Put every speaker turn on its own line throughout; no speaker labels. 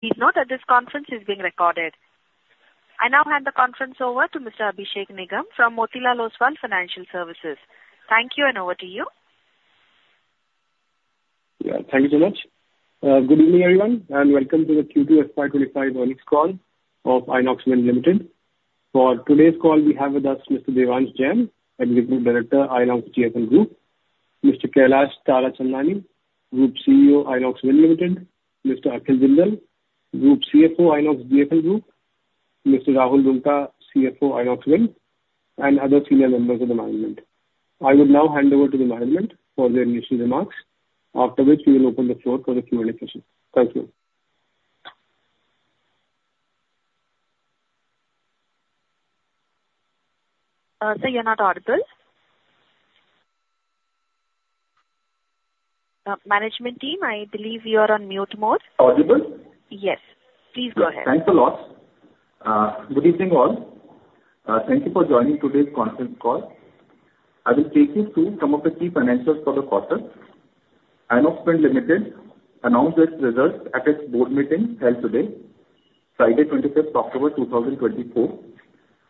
Please note that this conference is being recorded. I now hand the conference over to Mr. Abhishek Nigam from Motilal Oswal Financial Services. Thank you, and over to you.
Yeah, thank you so much. Good evening, everyone, and welcome to the Q2 FY 2025 earnings call of Inox Wind Limited. For today's call, we have with us Mr. Devansh Jain, Executive Director, Inox Wind Group, Mr. Kailash Tarachandani, Group CEO, Inox Wind Limited, Mr. Akhil Jindal, Group CFO, Inox Wind Group, Mr. Rahul Lunia, CFO, Inox Wind, and other senior members of the management. I would now hand over to the management for their initial remarks, after which we will open the floor for the Q&A session. Thank you.
Sir, you're not audible. Management team, I believe you are on mute mode.
Audible?
Yes. Please go ahead.
Thanks a lot. Good evening, all. Thank you for joining today's conference call. I will take you through some of the key financials for the quarter. Inox Wind Limited announced its results at its board meeting held today, Friday, twenty-fifth October two thousand twenty-four.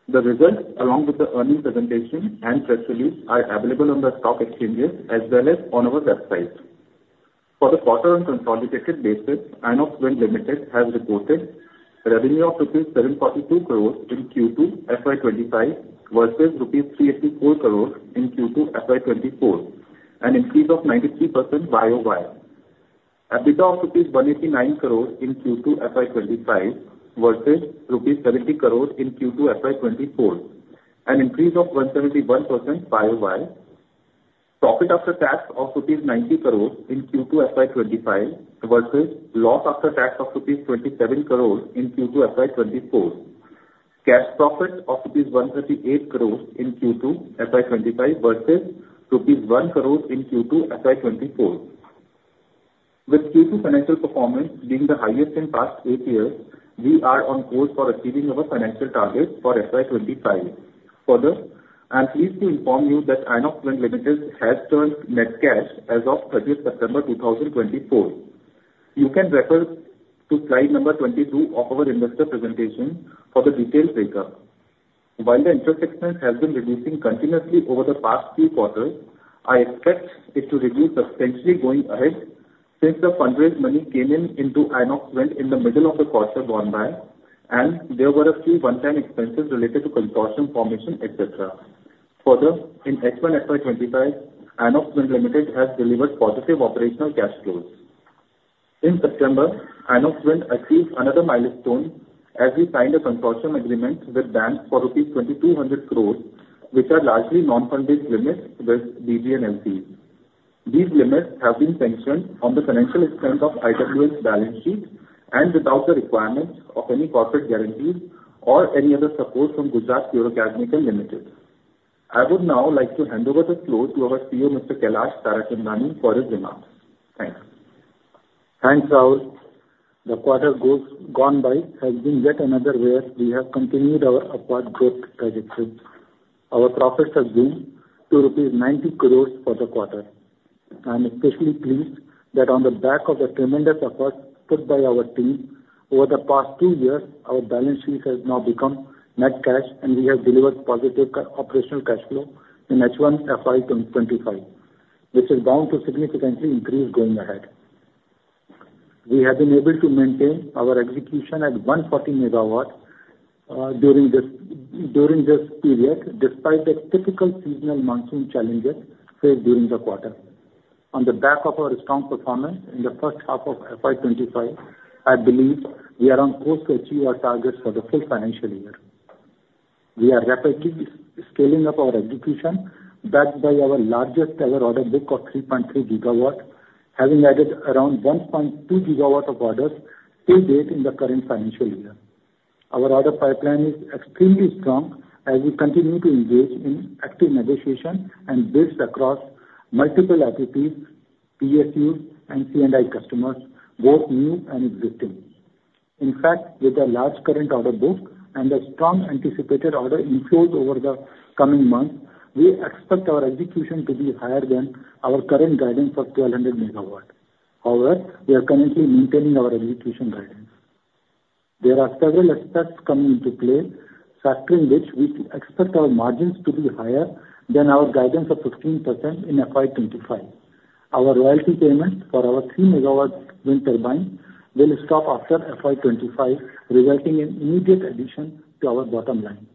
The results, along with the earnings presentation and press release, are available on the stock exchanges as well as on our website. For the quarter on consolidated basis, Inox Wind Limited has reported revenue of rupees 742 crores in Q2 FY twenty-five versus rupees 384 crores in Q2 FY twenty-four, an increase of 93% YOY. EBITDA of INR 189 crores in Q2 FY twenty-five versus rupees 70 crores in Q2 FY twenty-four, an increase of 171% YOY. Profit after tax of rupees 90 crores in Q2 FY 2025 versus loss after tax of rupees 27 crores in Q2 FY 2024. Cash profit of rupees 138 crores in Q2 FY 2025 versus rupees 1 crore in Q2 FY 2024. With Q2 financial performance being the highest in past 8 years, we are on course for achieving our financial targets for FY 2025. Further, I'm pleased to inform you that Inox Wind Limited has turned net cash as of 30 September 2024. You can refer to slide number 22 of our investor presentation for the detailed breakup. While the interest expense has been reducing continuously over the past few quarters, I expect it to reduce substantially going ahead since the fundraised money came in into Inox Wind in the middle of the quarter gone by, and there were a few one-time expenses related to consortium formation, et cetera. Further, in H1 FY2025, Inox Wind Limited has delivered positive operational cash flows. In September, Inox Wind achieved another milestone as we signed a consortium agreement with banks for rupees 2,200 crores, which are largely non-fund-based limits with BGs and LCs. These limits have been sanctioned on the financial strength of IWL's balance sheet and without the requirements of any corporate guarantees or any other support from Gujarat Fluorochemicals Limited. I would now like to hand over the floor to our CEO, Mr. Kailash Tarachandani, for his remarks. Thanks.
Thanks, Rahul. The quarter gone by has been yet another where we have continued our upward growth trajectory. Our profits have been to rupees 90 crore for the quarter. I'm especially pleased that on the back of the tremendous effort put by our team over the past two years, our balance sheet has now become net cash, and we have delivered positive operational cash flow in H1 FY 2025, which is bound to significantly increase going ahead. We have been able to maintain our execution at 140 megawatts during this period, despite the typical seasonal monsoon challenges faced during the quarter. On the back of our strong performance in the first half of FY 2025, I believe we are on course to achieve our targets for the full financial year. We are rapidly scaling up our execution, backed by our largest ever order book of 3.3 gigawatts, having added around 1.2 gigawatts of orders to date in the current financial year. Our order pipeline is extremely strong as we continue to engage in active negotiation and bids across multiple utilities, PSUs, and C&I customers, both new and existing. In fact, with a large current order book and a strong anticipated order inflows over the coming months, we expect our execution to be higher than our current guidance of 1,200 megawatts. However, we are currently maintaining our execution guidance. There are several aspects coming into play, factoring which, we expect our margins to be higher than our guidance of 15% in FY 2025. Our royalty payment for our 3 MW wind turbine will stop after FY 2025, resulting in immediate addition to our bottom line.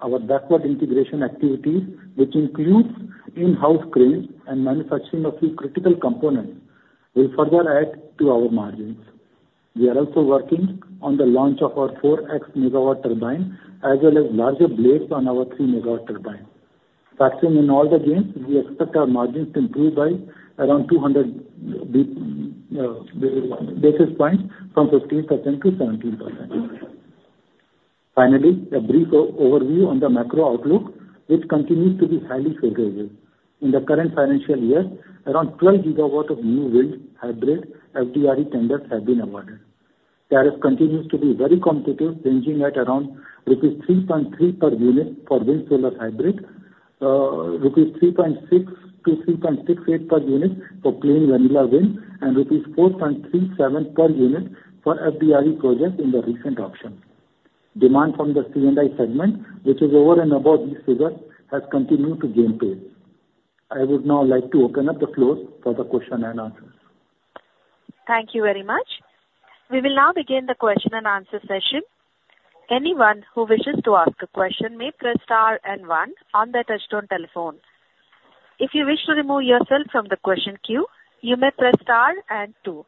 Our backward integration activities, which includes in-house cranes and manufacturing of few critical components, will further add to our margins. We are also working on the launch of our 4.X MW turbine, as well as larger blades on our 3 MW turbine. Factoring in all the gains, we expect our margins to improve by around 200 basis points from 15% to 17%. Finally, a brief overview on the macro outlook, which continues to be highly favorable. In the current financial year, around 12 gigawatt of new wind hybrid FDRE tenders have been awarded. Tariff continues to be very competitive, ranging at around rupees 3.3 per unit for wind solar hybrid.... Rupees 3.6 - 3.68 per unit for plain vanilla wind, and rupees 4.37 per unit for FDRE projects in the recent auction. Demand from the C&I segment, which is over and above these figures, has continued to gain pace. I would now like to open up the floor for the question and answers.
Thank you very much. We will now begin the question and answer session. Anyone who wishes to ask a question may press star and one on their touchtone telephone. If you wish to remove yourself from the question queue, you may press star and two.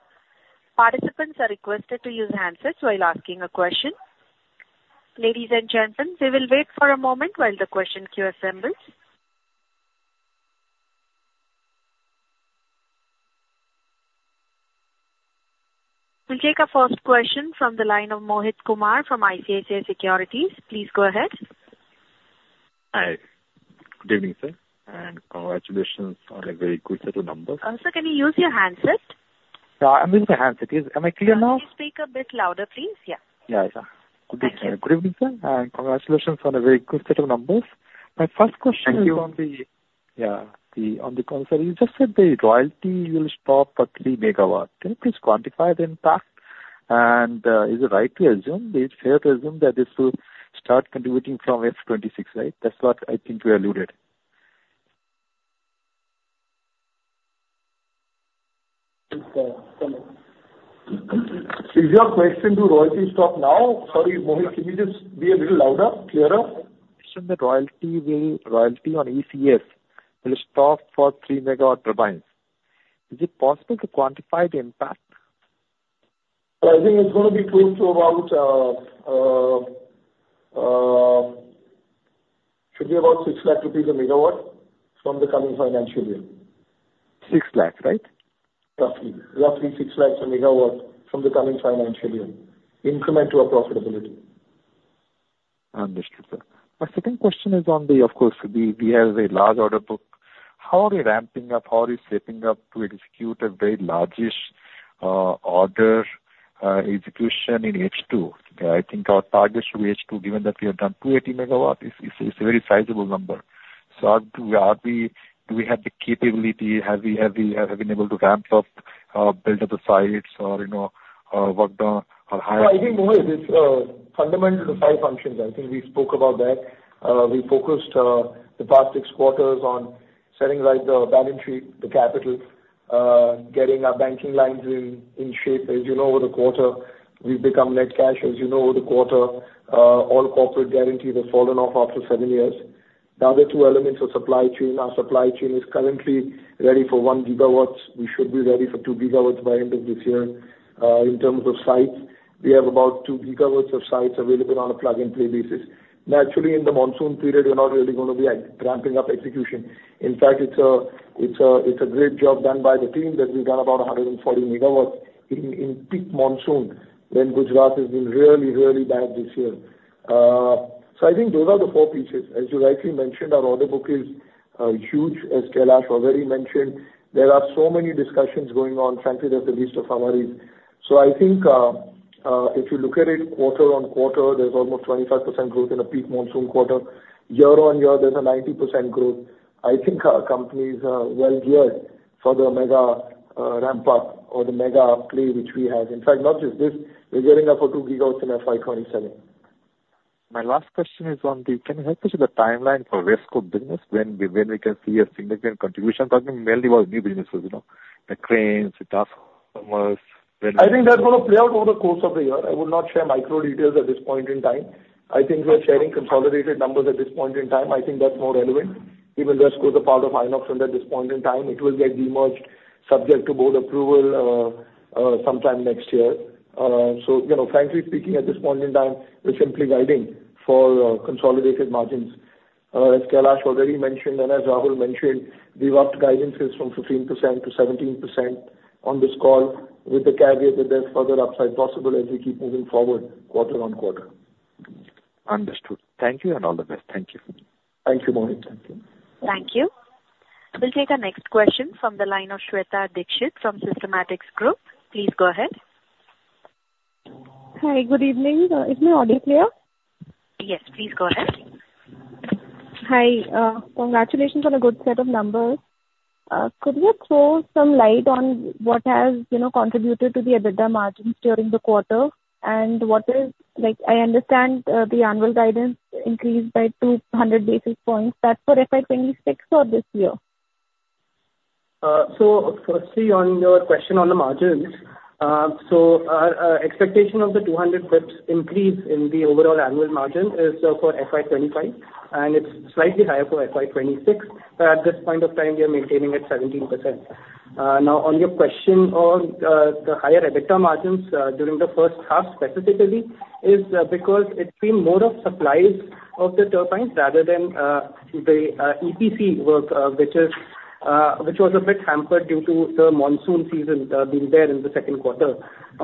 Participants are requested to use handsets while asking a question. Ladies and gentlemen, we will wait for a moment while the question queue assembles. We'll take our first question from the line of Mohit Kumar from ICICI Securities. Please go ahead.
Hi. Good evening, sir, and congratulations on a very good set of numbers.
Sir, can you use your handset?
Yeah, I'm using the handset. Am I clear now?
Can you speak a bit louder, please? Yeah.
Yeah, yeah.
Thank you.
Good evening, sir, and congratulations on a very good set of numbers. My first question.
Thank you.
You just said the royalty will stop at three megawatt. Can you please quantify the impact? And, is it right to assume, is it fair to assume that this will start contributing from FY twenty-six, right? That's what I think you alluded.
Hello. Is your question do royalty stop now? Sorry, Mohit, can you just be a little louder, clearer?
Question that royalty will, royalty on GFL will stop for three megawatt turbines. Is it possible to quantify the impact?
I think it's going to be close to about, should be about 600,000 rupees a megawatt from the coming financial year.
Six lakh, right?
Roughly six lakhs a megawatt from the coming financial year, increment to our profitability.
Understood, sir. My second question is on the order book, of course. We have a large order book. How are we ramping up? How are we shaping up to execute a very large-ish order execution in H2? I think our targets for H2, given that we have done 28 megawatt, is a very sizable number. So are we, do we have the capability? Have we been able to ramp up, build up the sites or, you know, work on or hire?
So I think, Mohit, it's fundamental to five functions. I think we spoke about that. We focused the past six quarters on setting right the balance sheet, the capital, getting our banking lines in shape. As you know, over the quarter, we've become net cash. As you know, over the quarter, all corporate guarantees have fallen off after seven years. The other two elements are supply chain. Our supply chain is currently ready for one gigawatts. We should be ready for two gigawatts by end of this year. In terms of sites, we have about two gigawatts of sites available on a plug-and-play basis. Naturally, in the monsoon period, we're not really going to be ramping up execution. In fact, it's a great job done by the team that we've done about 140 megawatts in peak monsoon, when Gujarat has been really, really bad this year. So I think those are the four pieces. As you rightly mentioned, our order book is huge, as Kailash already mentioned. There are so many discussions going on, frankly, that the list is endless. So I think, if you look at it quarter on quarter, there's almost 25% growth in a peak monsoon quarter. Year on year, there's a 90% growth. I think our company is well geared for the mega ramp up or the mega play which we have. In fact, not just this, we're gearing up for 2 gigawatts in FY 2027.
My last question is on the... Can you help us with the timeline for RESCO business, when we can see a significant contribution, talking mainly about new businesses, you know, the cranes, the C&I customers, when-
I think that's going to play out over the course of the year. I would not share micro details at this point in time. I think we are sharing consolidated numbers at this point in time. I think that's more relevant. Even RESCO is part of Inox under this point in time. It will get demerged subject to board approval, sometime next year. So, you know, frankly speaking, at this point in time, we're simply guiding for consolidated margins. As Kailash already mentioned, and as Rahul mentioned, we've upped guidances from 15% to 17% on this call, with the caveat that there's further upside possible as we keep moving forward, quarter on quarter.
Understood. Thank you and all the best. Thank you.
Thank you, Mohit. Thank you.
Thank you. We'll take our next question from the line of Shweta Dikshit from Systematix Group. Please go ahead.
Hi, good evening. Is my audio clear?
Yes, please go ahead.
Hi, congratulations on a good set of numbers. Could you throw some light on what has, you know, contributed to the EBITDA margins during the quarter? And what is... Like, I understand, the annual guidance increased by two hundred basis points. That's for FY twenty-six or this year?
So firstly, on your question on the margins, so our expectation of the two hundred basis points increase in the overall annual margin is for FY 2025, and it's slightly higher for FY 2026, but at this point of time, we are maintaining at 17%. Now, on your question on the higher EBITDA margins during the first half, specifically, is because it's been more of supplies of the turbines rather than the EPC work, which was a bit hampered due to the monsoon season being there in the second quarter.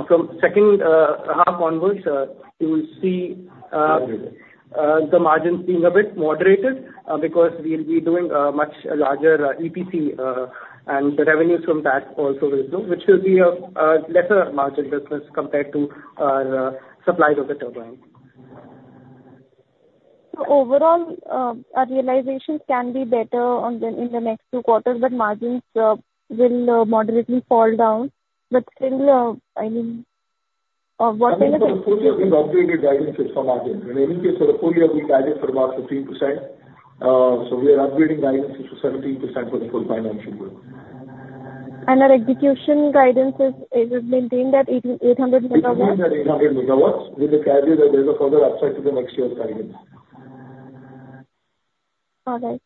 From second half onwards, you will see-
Okay.
The margin being a bit moderated, because we'll be doing a much larger EPC, and the revenues from that also will grow, which will be a lesser margin business compared to our supply of the turbine....
So overall, our realizations can be better on the, in the next two quarters, but margins will moderately fall down. But still, I mean, what-
For the full year, we've upgraded guidance for margins. In any case, for the full year, we guided for about 15%. We are upgrading guidance to 17% for the full financial year.
Our execution guidance, is it maintained at 800 megawatts?
It remains at 800 megawatts, with the caveat that there's a further upside to the next year's guidance.
All right.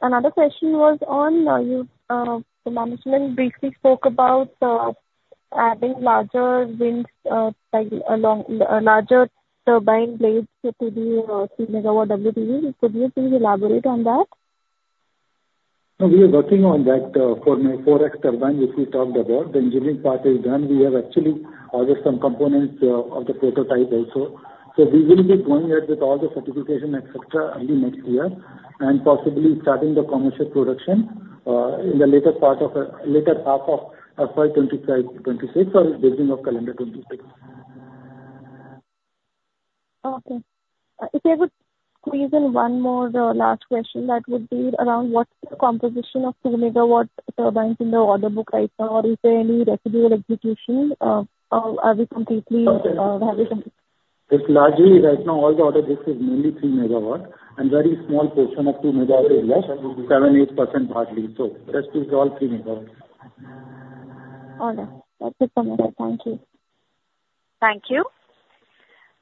Another question was on you, the management briefly spoke about adding larger winds, like along larger turbine blades to the three megawatt WTG. Could you please elaborate on that?
No, we are working on that, for the 4.X turbine, which we talked about. The engineering part is done. We have actually ordered some components of the prototype also. So we will be going ahead with all the certification, et cetera, early next year, and possibly starting the commercial production in the later half of FY twenty-five, twenty-six or beginning of calendar twenty-six.
Okay. If I would squeeze in one more last question, that would be around what's the composition of two megawatt turbines in the order book right now? Or is there any residual execution? Or are we completely have you com-
It's largely, right now, all the order book is mainly three megawatt, and very small portion of two megawatt is left, 7%-8% hardly. So rest is all three megawatt.
All right. That's it from my end. Thank you.
Thank you.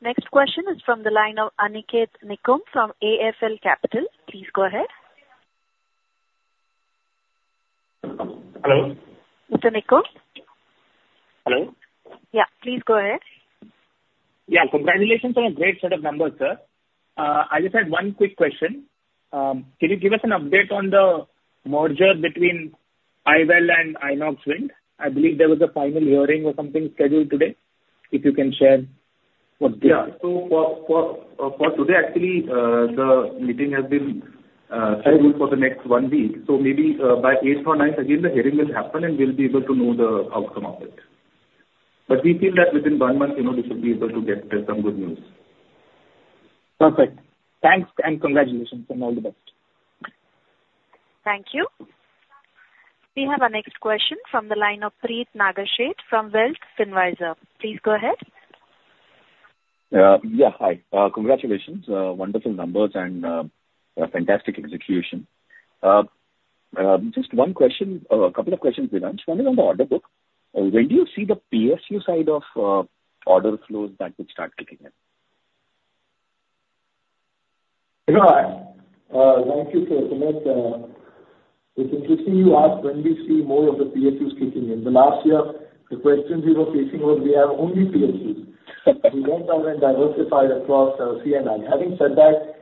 Next question is from the line of Aniket Nikumbh from GFL Capital. Please go ahead.
Hello?
Mr. Nikumbh?
Hello.
Yeah. Please go ahead.
Yeah. Congratulations on a great set of numbers, sir. I just had one quick question. Can you give us an update on the merger between Inox Green and Inox Wind? I believe there was a final hearing or something scheduled today. If you can share what-
Yeah. So for today, actually, the meeting has been scheduled for the next one week. So maybe by eighth or ninth, again, the hearing will happen, and we'll be able to know the outcome of it. But we feel that within one month, you know, we should be able to get some good news.
Perfect. Thanks, and congratulations, and all the best.
Thank you. We have our next question from the line of Preet Nagarsheth from Wealth Finvisor. Please go ahead.
Yeah, hi. Congratulations, wonderful numbers and a fantastic execution. Just one question, a couple of questions, Devansh. One is on the order book. When do you see the PSU side of order flows back to start kicking in?
Hi. Thank you, sir, Preet. It's interesting you ask when we see more of the PSUs kicking in. The last year, the questions we were facing were, "We have only PSUs." We don't have them diversified across C&I. Having said that,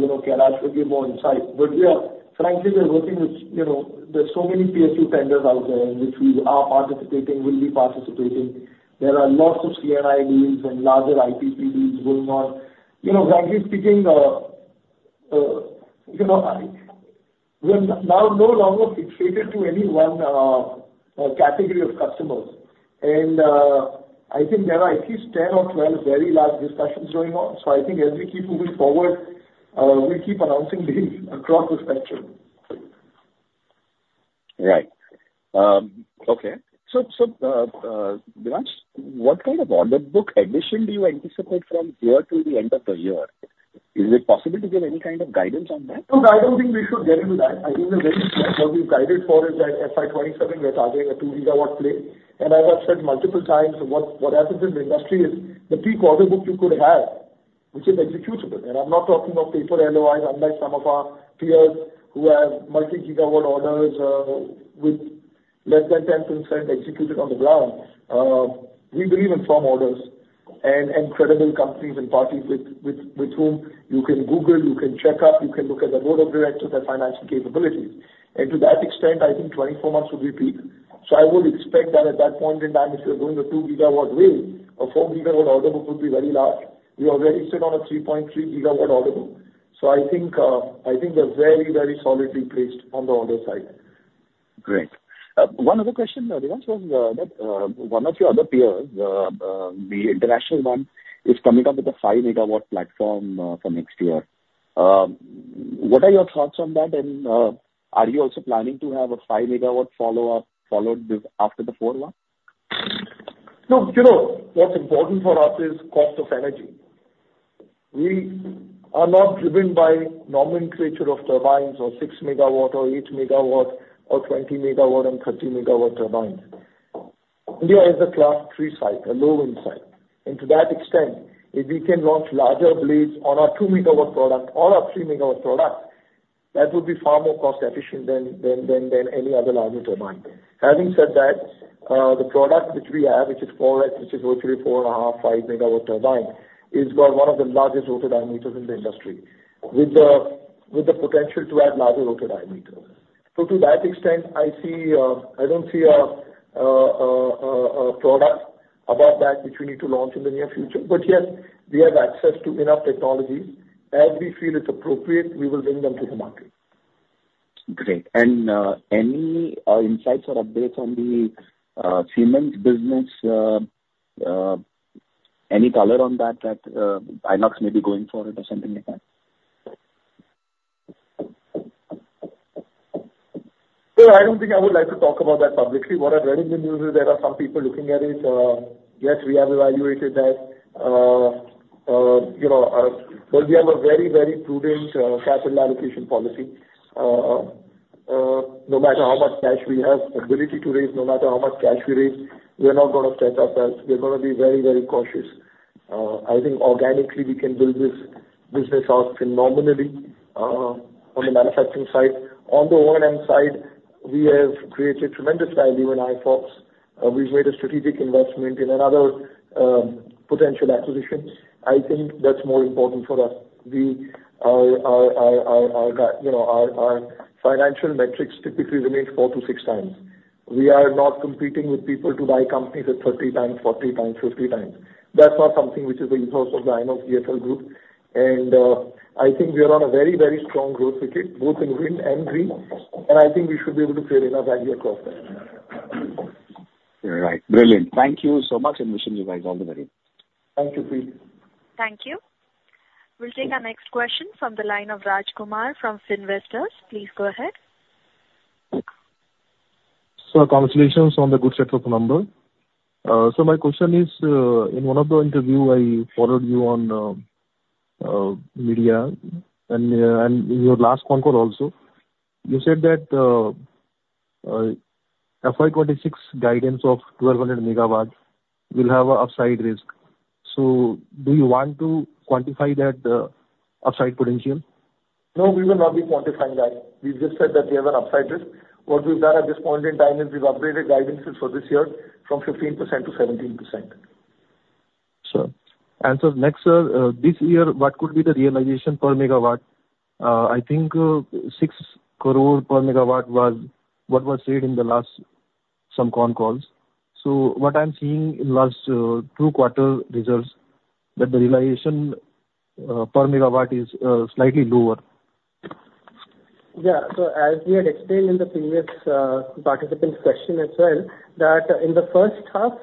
you know, Kailash will give more insight. But we are, frankly, we are working with, you know. There are so many PSU vendors out there in which we are participating, will be participating. There are lots of C&I deals and larger IPP deals going on. You know, frankly speaking, we are now no longer fixated to any one category of customers. And I think there are at least ten or twelve very large discussions going on. So I think as we keep moving forward, we keep announcing deals across the spectrum.
Right. Okay. So, Devansh, what kind of order book addition do you anticipate from here till the end of the year? Is it possible to give any kind of guidance on that?
Look, I don't think we should get into that. I think we're very, what we've guided for is that FY 2027, we're targeting a two gigawatt play. And as I've said multiple times, what happens in the industry is, the peak order book you could have, which is executable, and I'm not talking of paper LOIs, unlike some of our peers who have multi-gigawatt orders with less than 10% executed on the ground. We believe in firm orders and credible companies and parties with whom you can Google, you can check up, you can look at the board of directors, their financing capabilities. And to that extent, I think 24 months would be peak. So I would expect that at that point in time, if you're doing a two gigawatt wave, a four gigawatt order book would be very large. We already sit on a 3.3 gigawatt order book, so I think, I think we're very, very solidly placed on the order side.
Great. One other question, Devansh. One of your other peers, the international one, is coming up with a five megawatt platform for next year. What are your thoughts on that? And are you also planning to have a five megawatt follow-up, followed this, after the four one?
No, you know, what's important for us is cost of energy. We are not driven by nomenclature of turbines or six megawatt or eight megawatt or twenty megawatt and thirty megawatt turbines. India is a Class III site, a low wind site, and to that extent, if we can launch larger blades on our two megawatt product or our three megawatt product, that would be far more cost efficient than any other larger turbine. Having said that, the product which we have, which is 4.X, which is virtually four and a half, five megawatt turbine, it's got one of the largest rotor diameters in the industry, with the potential to add larger rotor diameters. So to that extent, I see, I don't see a product above that which we need to launch in the near future, but yet we have access to enough technologies. As we feel it's appropriate, we will bring them to the market....
Great! And any insights or updates on the cement business, any color on that that Inox may be going for it or something like that?
So I don't think I would like to talk about that publicly. What I've read in the news is there are some people looking at it. Yes, we have evaluated that. You know, but we have a very, very prudent capital allocation policy. No matter how much cash we have ability to raise, no matter how much cash we raise, we are not gonna stretch ourselves. We're gonna be very, very cautious. I think organically we can build this business out phenomenally on the manufacturing side. On the O&M side, we have created tremendous value in Inox Green. We've made a strategic investment in another potential acquisition. I think that's more important for us. We, you know, our financial metrics typically remain four to six times. We are not competing with people to buy companies at thirty times, forty times, fifty times. That's not something which is the ethos of the Inox Wind Group, and I think we are on a very, very strong growth ticket, both in wind and green, and I think we should be able to create enough value across that.
You're right. Brilliant. Thank you so much, and wishing you guys all the very best.
Thank you, Sri.
Thank you. We'll take our next question from the line of Raj Kumar from Finvesta. Please go ahead.
So congratulations on the good set of numbers. So my question is, in one of the interview, I followed you on media, and in your last concall also, you said that, FY 2026 guidance of 200 megawatt will have a upside risk. So do you want to quantify that, upside potential?
No, we will not be quantifying that. We just said that we have an upside risk. What we've done at this point in time is we've upgraded guidance for this year from 15% to 17%.
Sure. And so next year, this year, what could be the realization per megawatt? I think six crore per megawatt was what was said in the last some con calls. So what I'm seeing in last two quarter results, that the realization per megawatt is slightly lower.
Yeah. So as we had explained in the previous participant question as well, that in the first half,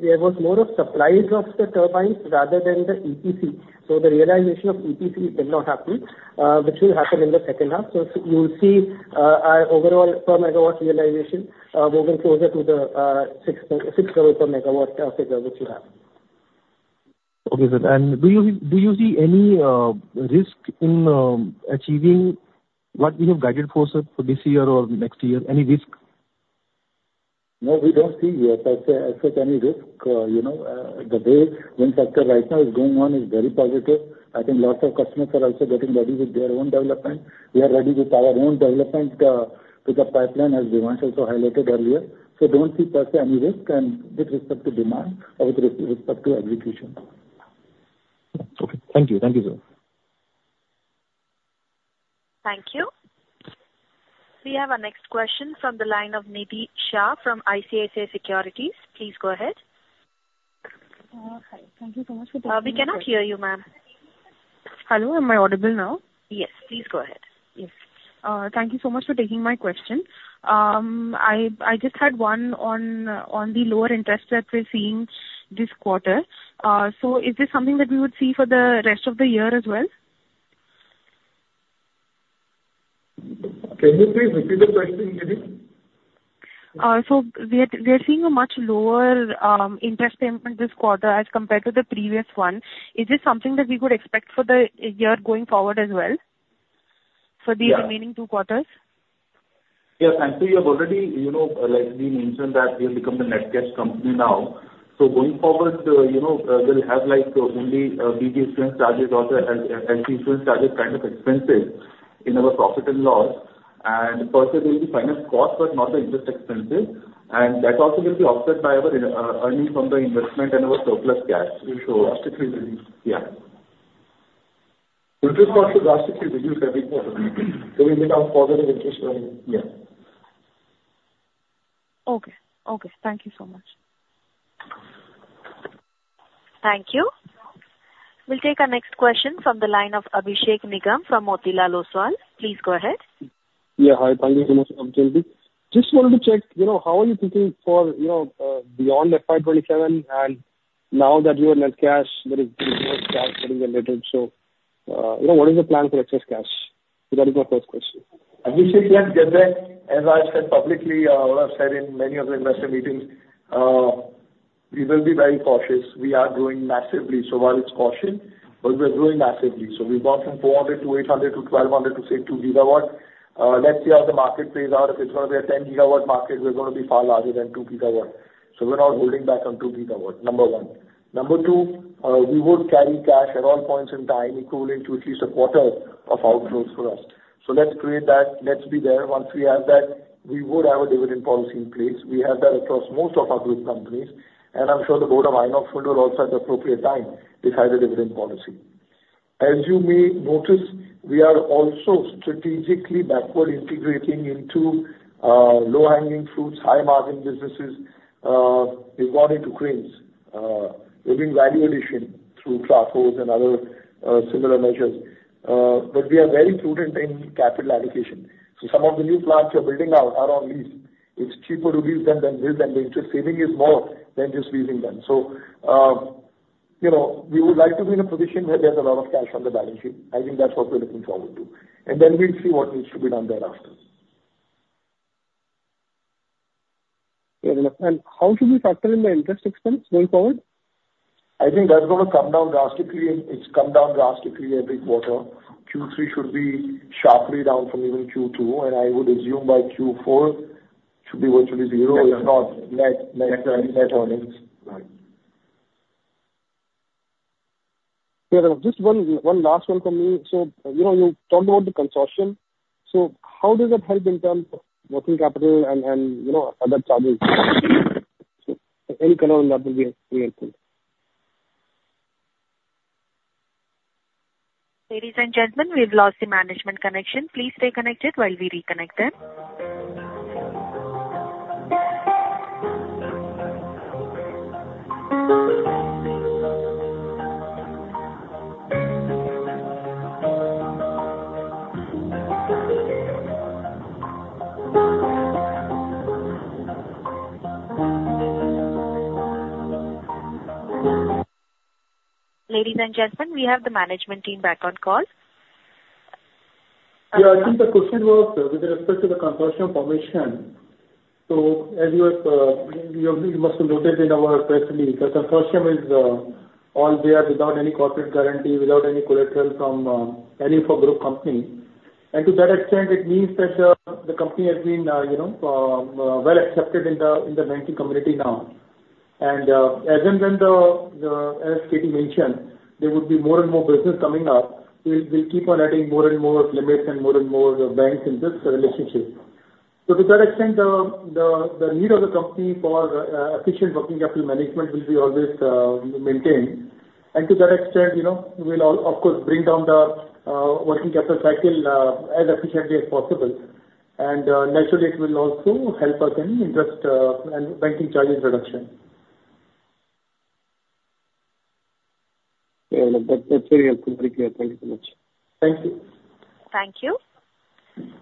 there was more of supplies of the turbines rather than the EPC. So the realization of EPC did not happen, which will happen in the second half. So you will see our overall four megawatts realization moving closer to the 6.6 crore per megawatt which you have.
Okay, sir. And do you see any risk in achieving what you have guided for, sir, for this year or next year? Any risk?
No, we don't see yet as such any risk. You know, the way wind factor right now is going on is very positive. I think lots of customers are also getting ready with their own development. We are ready with our own development with the pipeline, as Himanshu also highlighted earlier. So don't see perhaps any risk and with respect to demand or with respect to execution.
Okay. Thank you. Thank you, sir.
Thank you. We have our next question from the line of Nidhi Shah from ICICI Securities. Please go ahead.
Hi. Thank you so much for taking-
We cannot hear you, ma'am.
Hello, am I audible now?
Yes, please go ahead.
Yes. Thank you so much for taking my question. I just had one on the lower interest that we're seeing this quarter. So is this something that we would see for the rest of the year as well?
Can you please repeat the question, Nidhi?
We are seeing a much lower interest payment this quarter as compared to the previous one. Is this something that we would expect for the year going forward as well-
Yeah.
for the remaining two quarters?
Yes, and so we have already, you know, like we mentioned, that we have become the net cash company now. So going forward, you know, we'll have, like, only BG insurance charges or the LC insurance charges kind of expenses in our profit and loss, and firstly there will be finance cost, but not the interest expenses, and that also will be offset by our interest earnings from the investment and our surplus cash. So drastically reduced. Yeah. Interest cost is drastically reduced every quarter. So we make our further interest earning. Yeah.
Okay. Okay. Thank you so much.
Thank you. We'll take our next question from the line of Abhishek Nigam from Motilal Oswal. Please go ahead.
Yeah, hi. Thank you so much. Just wanted to check, you know, how are you thinking for, you know, beyond FY 2027, and now that you are net cash, there is more cash getting generated. So, you know, what is the plan for excess cash? So that is my first question.
Abhishek, yeah, just that, as I said publicly, or I've said in many of the investor meetings, we will be very cautious. We are growing massively, so while it's caution, but we're growing massively. So we've gone from four hundred to eight hundred to twelve hundred to say, two gigawatt. Let's see how the market plays out. If it's gonna be a ten gigawatt market, we're gonna be far larger than two gigawatt. So we're not holding back on two gigawatt, number one. Number two, we would carry cash at all points in time equivalent to at least a quarter of outflows for us. So let's create that. Let's be there. Once we have that, we would have a dividend policy in place. We have that across most of our group companies, and I'm sure the board of Inox Wind will also, at the appropriate time, decide a dividend policy. As you may notice, we are also strategically backward integrating into low-hanging fruits, high-margin businesses regarding to cranes. We're doing value addition through platforms and other similar measures. But we are very prudent in capital allocation. Some of the new plants we are building now are on lease. It's cheaper to lease them than build, and the interest saving is more than just leasing them. You know, we would like to be in a position where there's a lot of cash on the balance sheet. I think that's what we're looking forward to, and then we'll see what needs to be done thereafter.
How should we factor in the interest expense going forward?
I think that's gonna come down drastically, and it's come down drastically every quarter. Q3 should be sharply down from even Q2, and I would assume by Q4 should be virtually zero if not net, net, net earnings.
Right. Just one last one from me. So, you know, you talked about the consortium. So how does that help in terms of working capital and, you know, other charges? Any color on that would be helpful.
Ladies and gentlemen, we've lost the management connection. Please stay connected while we reconnect them. Ladies and gentlemen, we have the management team back on call.
Yeah, I think the question was with respect to the consortium formation. So as you have, you must have noted in our press release, the consortium is all there without any corporate guarantee, without any collateral from any of our group company. And to that extent, it means that the company has been, you know, well accepted in the banking community now. And, as and when the, as KT mentioned, there would be more and more business coming up, we keep on adding more and more limits and more and more banks in this relationship. So to that extent, the need of the company for efficient working capital management will be always maintained. And to that extent, you know, we'll all of course bring down the working capital cycle as efficiently as possible. And, naturally it will also help us in interest and banking charges reduction.
Yeah, that, that's very helpful. Very clear. Thank you so much.
Thank you.
Thank you.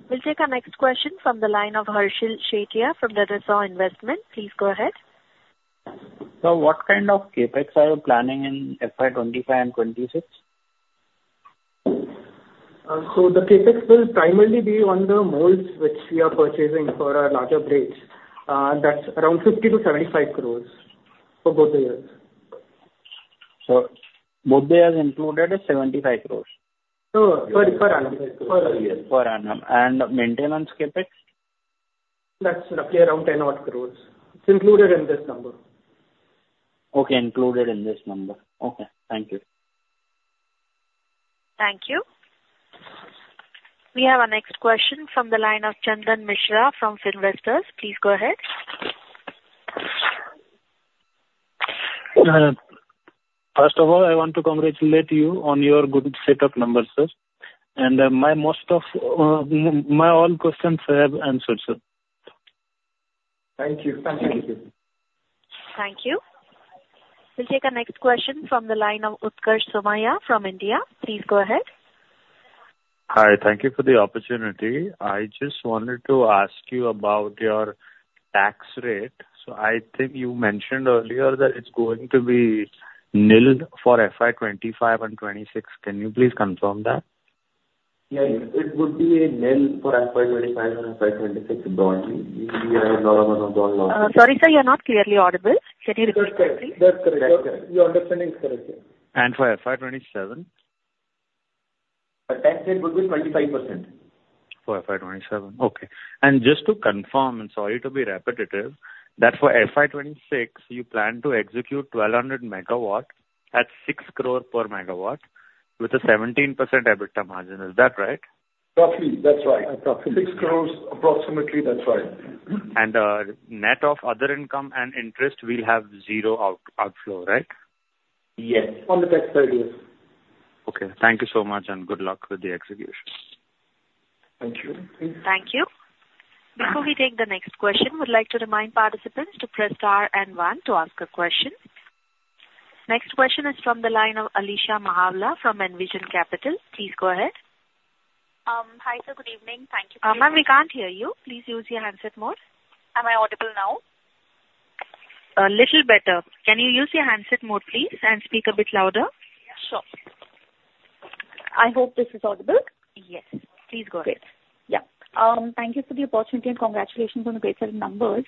We'll take our next question from the line of Harshal Sethia from Edelweiss Investment. Please go ahead.
So what kind of CapEx are you planning in FY 2025 and 2026?
So the CapEx will primarily be on the molds, which we are purchasing for our larger grades. That's around 50-75 crores for both the years.
So both years included is INR 75 crores?
So for annual.
For annual and maintenance CapEx?
That's roughly around 10 odd crores. It's included in this number.
Okay, included in this number. Okay, thank you.
Thank you. We have our next question from the line of Chandan Mishra from Finvesta. Please go ahead.
First of all, I want to congratulate you on your good set of numbers, sir. Most of my questions have been answered, sir.
Thank you. Thank you.
Thank you. We'll take our next question from the line of Utkarsh Somaiya from India. Please go ahead.
Hi. Thank you for the opportunity. I just wanted to ask you about your tax rate. So I think you mentioned earlier that it's going to be nil for FY 2025 and 2026. Can you please confirm that?
Yeah. It would be nil for FY 2025 and FY 2026 jointly.
Sorry, sir, you are not clearly audible. Can you repeat please?
That's correct. That's correct. Your understanding is correct, sir.
For FY 2027?
The tax rate would be 25%.
For FY 2027. Okay. And just to confirm, and sorry to be repetitive, that for FY 2026, you plan to execute 1,200 megawatts at six crore per megawatt, with a 17% EBITDA margin. Is that right?
Roughly. That's right.
Roughly.
six crores, approximately. That's right.
Net of other income and interest will have zero outflow, right?
Yes.
On the tax side, yes.
Okay. Thank you so much, and good luck with the execution.
Thank you.
Thank you. Before we take the next question, we'd like to remind participants to press Star and One to ask a question. Next question is from the line of Alisha Mahawla from Envision Capital. Please go ahead.
Hi, sir. Good evening. Thank you for-
Ma'am, we can't hear you. Please use your handset mode.
Am I audible now?
A little better. Can you use your handset mode, please, and speak a bit louder?
Sure. I hope this is audible.
Yes. Please go ahead.
Great. Yeah. Thank you for the opportunity, and congratulations on the great set of numbers.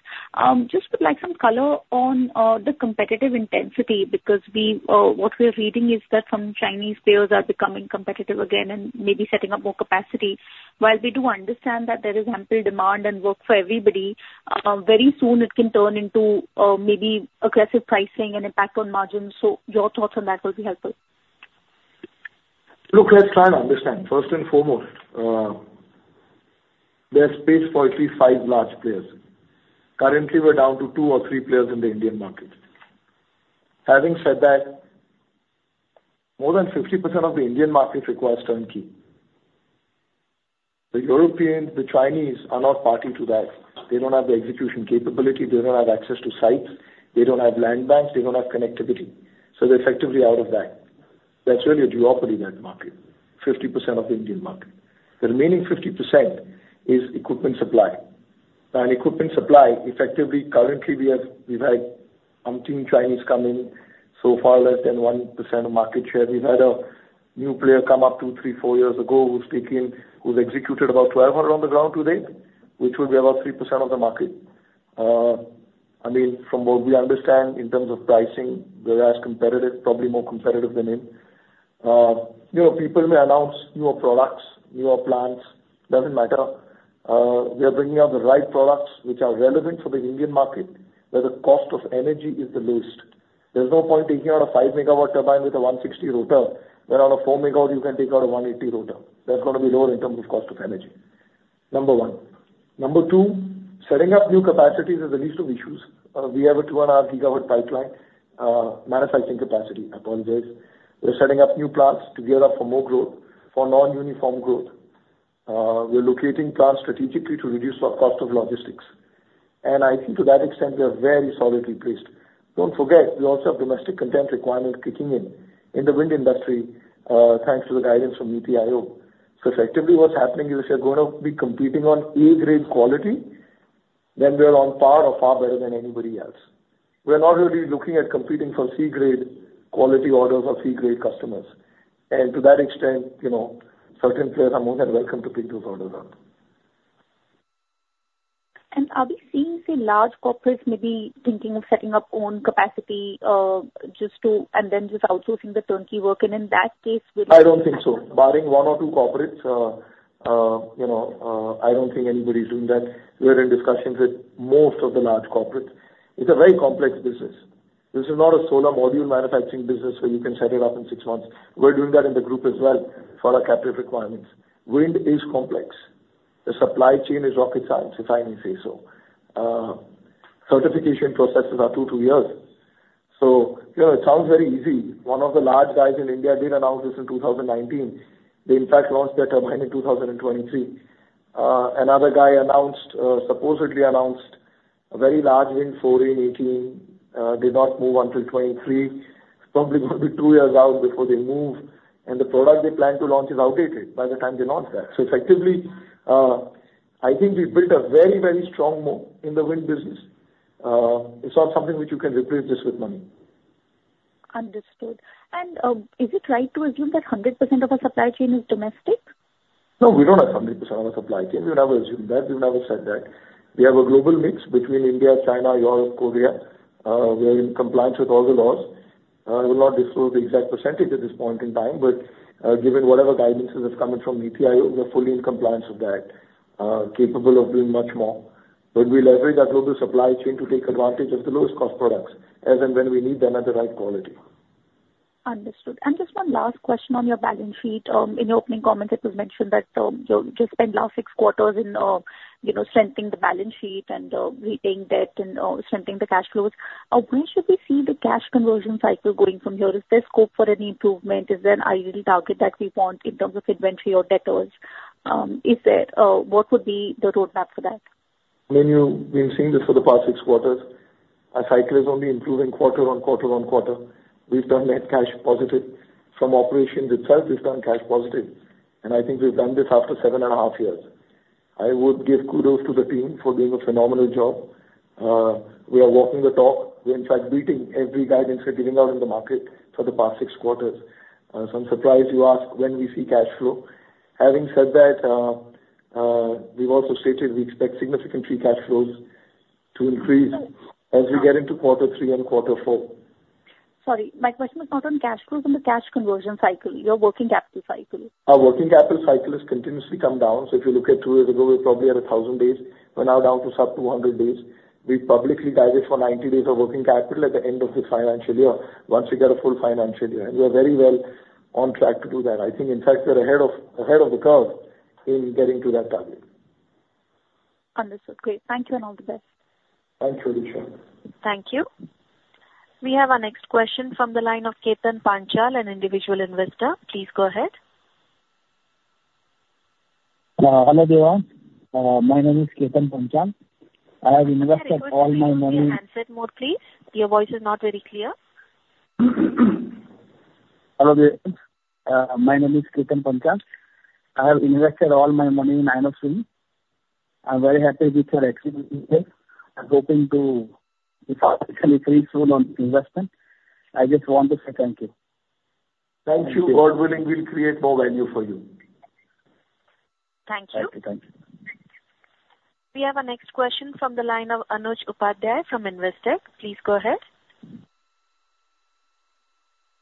Just would like some color on, the competitive intensity, because we, what we are reading is that some Chinese players are becoming competitive again and maybe setting up more capacity. While we do understand that there is ample demand and work for everybody, very soon it can turn into, maybe aggressive pricing and impact on margins. So your thoughts on that will be helpful.
Look, let's try and understand. First and foremost, there's space for at least five large players. Currently, we're down to two or three players in the Indian market. Having said that, more than 50% of the Indian market requires turnkey. The Europeans, the Chinese are not party to that. They don't have the execution capability, they don't have access to sites, they don't have land banks, they don't have connectivity, so they're effectively out of that. That's really a duopoly in that market, 50% of the Indian market. The remaining 50% is equipment supply. Now, in equipment supply, effectively, currently we have, we've had umpteen Chinese come in, so far, less than 1% of market share. We've had a new player come up two, three, four years ago who's executed about 1,200 on the ground today, which would be about 3% of the market. I mean, from what we understand in terms of pricing, we're as competitive, probably more competitive than him. You know, people may announce newer products, newer plants, doesn't matter. We are bringing out the right products which are relevant for the Indian market, where the cost of energy is the least. There's no point taking out a 5-megawatt turbine with a 160 rotor, where on a 4-megawatt you can take out a 180 rotor. That's gonna be lower in terms of cost of energy, number one. Number two, setting up new capacities is the least of issues. We have a 2.5-gigawatt pipeline manufacturing capacity, I apologize. We're setting up new plants together for more growth, for non-uniform growth. We're locating plants strategically to reduce our cost of logistics, and I think to that extent, we are very solidly placed. Don't forget, we also have domestic content requirements kicking in, in the wind industry, thanks to the guidance from NITI Aayog, so effectively, what's happening is we're going to be competing on A-grade quality, then we are on par or far better than anybody else. We are not really looking at competing for C-grade quality orders or C-grade customers, and to that extent, you know, certain players are more than welcome to pick those orders up.
Are we seeing, say, large corporates maybe thinking of setting up own capacity just to and then just outsourcing the turnkey work? In that case, will-
I don't think so. Barring one or two corporates, you know, I don't think anybody's doing that. We're in discussions with most of the large corporates. It's a very complex business. This is not a solar module manufacturing business where you can set it up in six months. We're doing that in the group as well for our captive requirements. Wind is complex. The supply chain is rocket science, if I may say so. Certification processes are two years. So, you know, it sounds very easy. One of the large guys in India did announce this in two thousand and nineteen. They, in fact, launched their turbine in two thousand and twenty-three. Another guy announced, supposedly announced, a very large Wind 4 in 2018, did not move until 2023. It's probably going to be two years out before they move, and the product they plan to launch is outdated by the time they launch that. So effectively, I think we've built a very, very strong moat in the wind business. It's not something which you can replace just with money.
Understood. Is it right to assume that 100% of our supply chain is domestic?
No, we don't have 100% of our supply chain. We never assumed that. We never said that. We have a global mix between India, China, Europe, Korea. We are in compliance with all the laws. I will not disclose the exact percentage at this point in time, but, given whatever guidances is coming from NITI Aayog, we're fully in compliance with that. Capable of doing much more. But we leverage our global supply chain to take advantage of the lowest cost products as and when we need them at the right quality.
Understood. And just one last question on your balance sheet. In your opening comments, it was mentioned that, you know, you just spent last six quarters in, you know, strengthening the balance sheet and, repaying debt and, strengthening the cash flows. Where should we see the cash conversion cycle going from here? Is there scope for any improvement? Is there an ideal target that we want in terms of inventory or debtors? What would be the roadmap for that?
Mind you, we've seen this for the past six quarters. Our cycle is only improving quarter on quarter on quarter. We've done net cash positive. From operations itself, we've done cash positive, and I think we've done this after seven and a half years. I would give kudos to the team for doing a phenomenal job. We are walking the talk. We're in fact beating every guidance we're giving out in the market for the past six quarters. So I'm surprised you asked when we see cash flow. Having said that, we've also stated we expect significantly cash flows to increase as we get into quarter three and quarter four.
Sorry, my question was not on cash flows, on the cash conversion cycle, your working capital cycle.
Our working capital cycle has continuously come down. So if you look at two years ago, we're probably at a thousand days. We're now down to sub two hundred days. We publicly guided for ninety days of working capital at the end of this financial year, once we get a full financial year, and we are very well on track to do that. I think, in fact, we're ahead of, ahead of the curve in getting to that target.
Understood. Great. Thank you, and all the best.
Thanks, Alisha.
Thank you. We have our next question from the line of Ketan Panchal, an individual investor. Please go ahead.
Hello there. My name is Ketan Panchal. I have invested all my money-
Can you put me on handset mode, please? Your voice is not very clear.
Hello there. My name is Ketan Panchal. I have invested all my money in Inox Wind. I'm very happy with your excellent business. I'm hoping to ..., soon on investment. I just want to say thank you.
Thank you. God willing, we'll create more value for you.
Thank you.
Thank you. Thank you.
We have our next question from the line of Anuj Upadhyay from Investec. Please go ahead.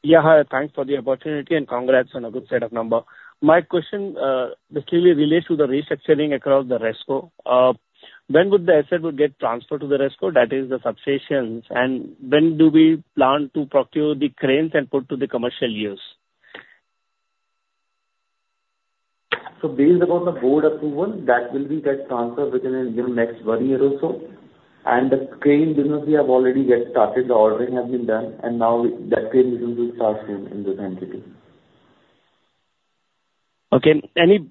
Yeah, hi. Thanks for the opportunity, and congrats on a good set of number. My question basically relates to the restructuring across the RESCO. When would the asset get transferred to the RESCO, that is the substations, and when do we plan to procure the cranes and put to the commercial use?
So, based upon the board approval, that will get transferred within, you know, next one year or so, and the crane business we have already got started, the ordering has been done, and now that crane business will start in this entity.
Okay, any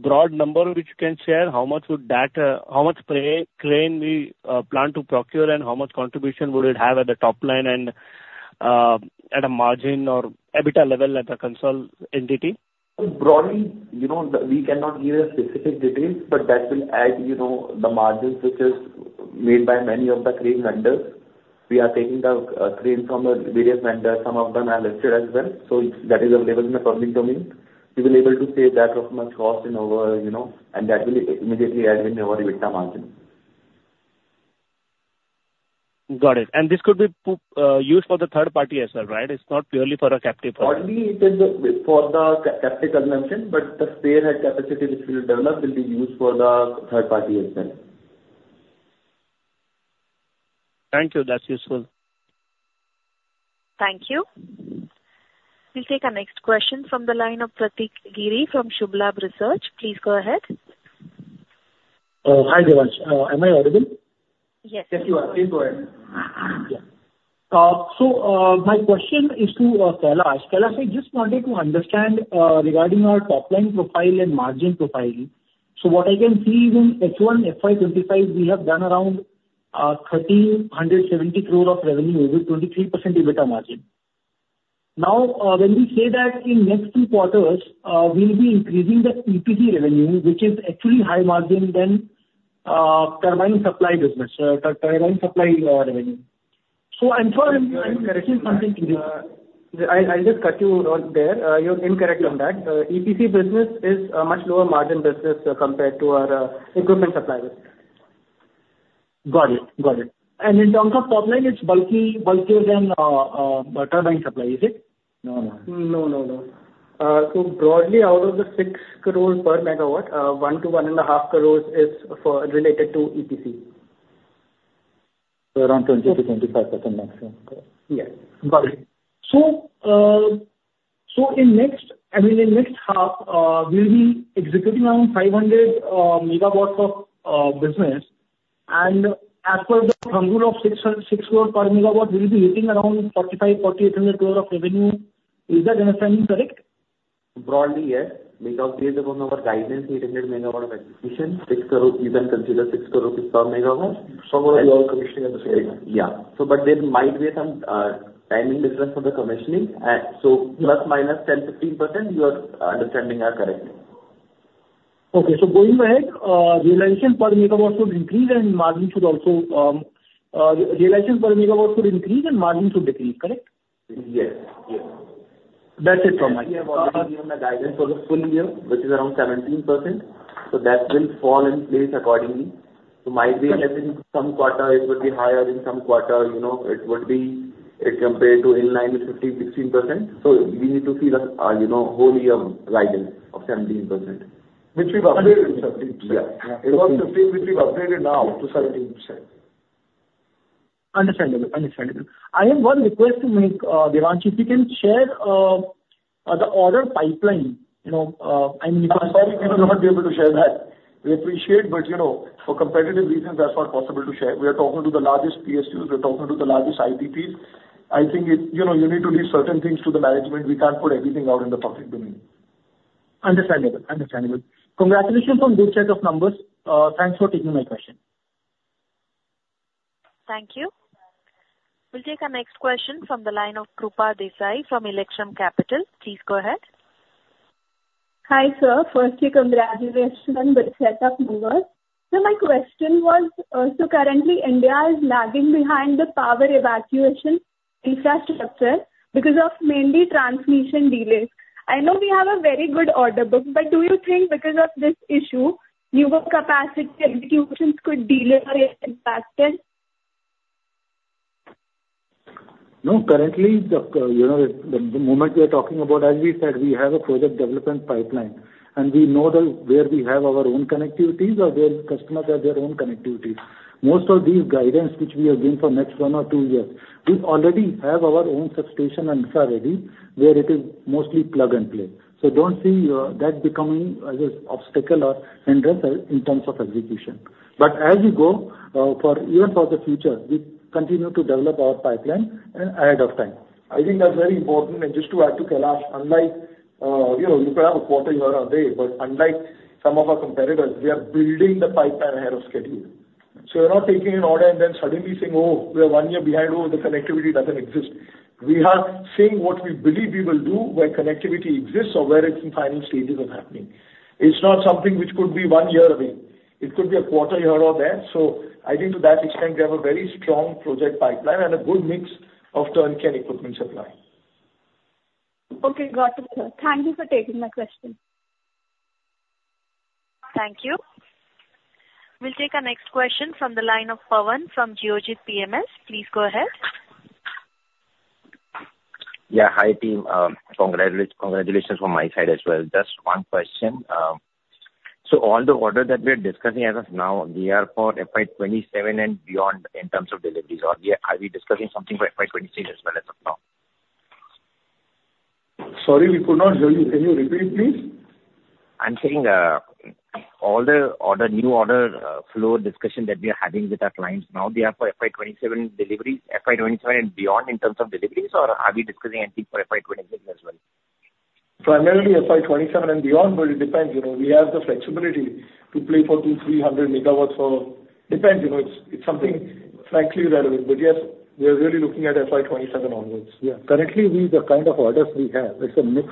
broad number which you can share? How much would that, how much crane we plan to procure, and how much contribution would it have at the top line and at a margin or EBITDA level at the consolidated entity?
Broadly, you know, we cannot give a specific details, but that will add, you know, the margins which is made by many of the crane vendors. We are taking the crane from various vendors. Some of them are listed as well, so that is available in the public domain. We will able to save that much cost in our, you know, and that will immediately add in our EBITDA margin.
Got it. And this could be used for the third party as well, right? It's not purely for a captive purpose.
Partly it is for the captive consumption, but the spare capacity which we will develop will be used for the third party as well.
Thank you. That's useful.
Thank you. We'll take our next question from the line of Pratik Giri from Shubhlaxmi Research. Please go ahead.
Hi, Devansh. Am I audible?
Yes.
Yes, you are. Please go ahead.
So, my question is to Kailash. Kailash, I just wanted to understand regarding our top-line profile and margin profiling. So what I can see is in H1 FY 2025, we have done around 1,370 crore of revenue over 23% EBITDA margin. Now, when we say that in next two quarters, we'll be increasing the EPC revenue, which is actually high margin than turbine supply business, turbine supply revenue. So I'm sure I'm correctly something-
I'll just cut you off there. You're incorrect on that. EPC business is a much lower margin business, compared to our equipment supply business.
Got it. Got it. And in terms of top line, it's bulky, bulkier than turbine supply, is it?
No, no.
No, no, no. So broadly, out of the six crores per megawatt, one to one and a half crores is related to EPC.
Around 20%-25% maximum.
Yes. Got it. So in the next half, we'll be executing around 500 megawatts of business, and as per the thumb rule of six crores per megawatt, we'll be hitting around 4,500-4,800 crore of revenue. Is that understanding correct? Broadly, yes, because based upon our guidance, we in megawatts of acquisition, six crore. You can consider six crore per megawatt. Some of them are commissioning at the same time. Yeah. So but there might be some timing difference for the commissioning. So plus/minus 10%-15%, your understanding are correct. Okay, so going ahead, realization per megawatt should increase and margin should also, realization per megawatt should increase, and margin should decrease, correct? Yes. Yes. That's it from my end.
We have already given the guidance for the full year, which is around 17%, so that will fall in place accordingly. So might be as in some quarter, it would be higher, in some quarter, you know, it would be compared to in line with 15%, 16%. So we need to see the, you know, whole year guidance of 17%.
Which we've updated in 17%.
Yeah.
It was 15, which we've updated now to 17%.
Understandable. Understandable. I have one request to make, Devansh. If you can share the order pipeline, you know, I mean-
Sorry, we will not be able to share that. We appreciate, but, you know, for competitive reasons, that's not possible to share. We are talking to the largest PSUs, we're talking to the largest IPPs. I think it... You know, you need to leave certain things to the management. We can't put everything out in the public domain.
Understandable. Understandable. Congratulations on this set of numbers. Thanks for taking my question.
Thank you. We'll take our next question from the line of Krupa Desai from Elixir Capital. Please go ahead.
Hi, sir. Firstly, congratulations on the set of numbers. So my question was, so currently India is lagging behind the power evacuation infrastructure because of mainly transmission delays. I know we have a very good order book, but do you think because of this issue, new capacity executions could delay or get impacted?
No, currently, you know, the moment we are talking about, as we said, we have a project development pipeline, and we know that where we have our own connectivities or where customers have their own connectivities. Most of these guidance, which we have given for next one or two years, we already have our own substation and sub ready, where it is mostly plug and play. So don't see that becoming an obstacle or hindrance in terms of execution. But as we go, for even the future, we continue to develop our pipeline ahead of time. I think that's very important. And just to add to Kailash, unlike, you know, you could have a quarter here or there, but unlike some of our competitors, we are building the pipeline ahead of schedule. So we're not taking an order and then suddenly saying, "Oh, we are one year behind. Oh, the connectivity doesn't exist." We are saying what we believe we will do, where connectivity exists or where it's in final stages of happening. It's not something which could be one year away. It could be a quarter year or there. So I think to that extent, we have a very strong project pipeline and a good mix of turnkey and equipment supply.
Okay. Got it, sir. Thank you for taking my question.
Thank you. We'll take our next question from the line of Pawan from Geojit PMS. Please go ahead.
Yeah, hi, team. Congratulations from my side as well. Just one question. So all the orders that we are discussing as of now, they are for FY twenty-seven and beyond in terms of deliveries, or we are, are we discussing something for FY twenty-six as well as of now?
Sorry, we could not hear you. Can you repeat, please?
I'm saying, all the order, new order, flow discussion that we are having with our clients now, they are for FY 2027 delivery, FY 2027 and beyond in terms of deliveries, or are we discussing anything for FY 2026 as well?
Primarily FY 2027 and beyond, but it depends, you know. We have the flexibility to play 200-300 megawatts for... Depends, you know, it's something frankly relevant. But yes, we are really looking at FY 2027 onwards.
Yeah. Currently, we, the kind of orders we have, it's a mix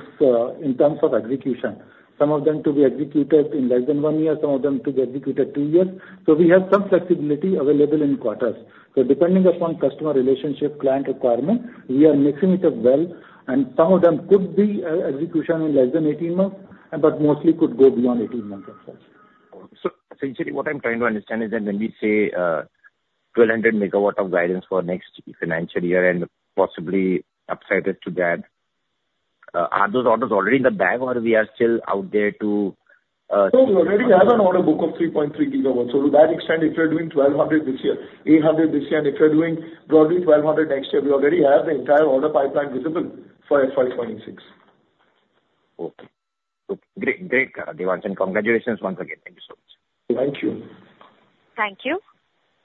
in terms of execution. Some of them to be executed in less than one year, some of them to be executed two years. So we have some flexibility available in quarters. So depending upon customer relationship, client requirement, we are mixing it up well, and some of them could be execution in less than eighteen months, but mostly could go beyond eighteen months as well.
Essentially, what I'm trying to understand is that when we say twelve hundred megawatts of guidance for next financial year and possibly upside to that, are those orders already in the bag, or we are still out there to
We already have an order book of 3.3 gigawatts. To that extent, if you're doing 1,200 this year, 800 this year, and if you're doing broadly 1,200 next year, we already have the entire order pipeline visible for FY 2026.
Okay. Good. Great, great, Devansh, and congratulations once again. Thank you so much.
Thank you.
Thank you.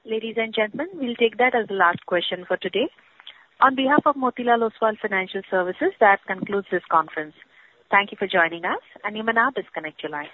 Ladies and gentlemen, we'll take that as the last question for today. On behalf of Motilal Oswal Financial Services, that concludes this conference. Thank you for joining us, and you may now disconnect your line.